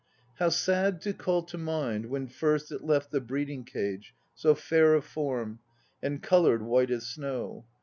How sad to call to mind When first it left the breeding cage So fair of form And coloured white as snow.